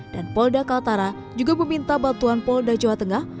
dan polda keltara juga meminta bantuan polda jawa tengah